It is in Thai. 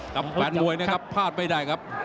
แฟนมวยนะครับพลาดไม่ได้ครับ